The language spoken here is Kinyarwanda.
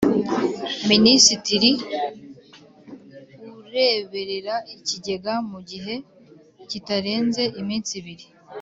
Minisitiri ureberera Ikigega mu gihe kitarenze iminsi ibiri